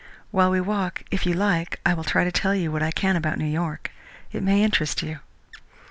While we walk, if you like, I will try to tell you what I can about New York. It may interest you."